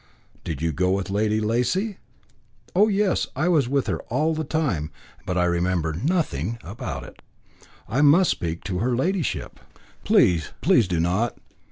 "Did you go with Lady Lacy?" "Oh, yes. I was with her all the time. But I remember nothing about it." "I must speak to her ladyship." "Please, please do not.